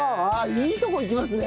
いいとこいきますね！